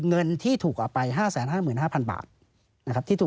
เงินที่ถูกเอาไป๕๕๕๐๐๐บาท